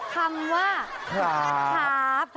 คำว่าครับ